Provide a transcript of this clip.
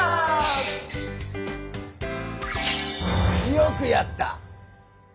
よくやった！